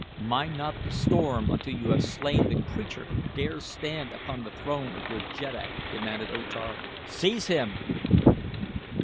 "Mind not the storm until you have slain the creature who dares stand upon the throne of your jeddak," demanded O Tar. "Seize him!"